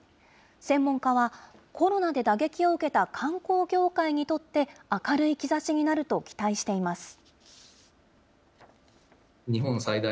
専門家は、コロナで打撃を受けた観光業界にとって、明るい兆しになると期待しています。